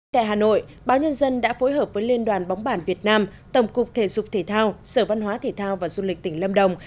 tại hà nội báo nhân dân đã phối hợp với liên đoàn bóng bản việt nam tổng cục thể dục thể thao sở văn hóa thể thao và du lịch tỉnh lâm đồng